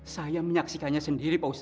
saya menyaksikannya sendiri bosan